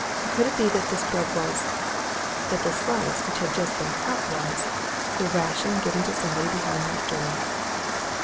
Could it be that this bread was that the slice which had just been cut was the ration given to somebody behind that door?